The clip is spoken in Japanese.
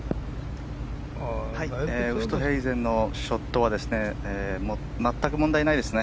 ウーストヘイゼンのショットは全く問題ないですね。